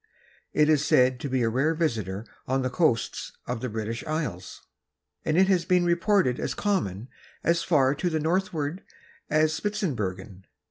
It is said to be a rare visitor on the coasts of the British Islands and it has been reported as common as far to the northward as Spitzbergen.